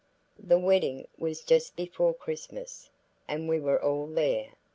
The wedding was just before Christmas, and we were all there.